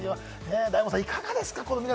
大門さん、いかがですか？